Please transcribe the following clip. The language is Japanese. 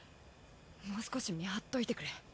もう少し見張っといてくれ。